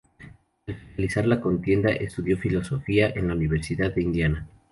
Al finalizar la contienda estudió filosofía en la Universidad de Indiana.